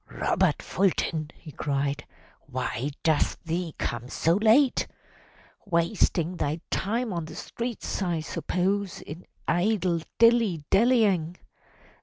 "Robert Fulton!*' he cried. "Why does thee come so late? Wasting thy time on the streets, I suppose, in idle dilly dallying!